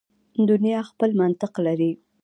دنیا خپل منطق لري.